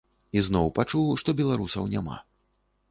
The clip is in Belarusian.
І зноў пачуў, што беларусаў няма.